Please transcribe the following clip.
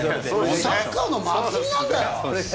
サッカーの祭りなんだよ。